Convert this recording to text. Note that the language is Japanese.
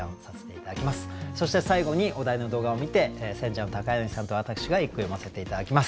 そして最後にお題の動画を観て選者の柳さんと私が一句詠ませて頂きます。